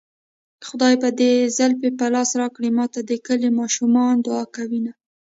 خدای به دې زلفې په لاس راکړي ماته د کلي ماشومان دوعا کوينه